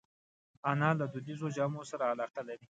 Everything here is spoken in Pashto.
انا له دودیزو جامو سره علاقه لري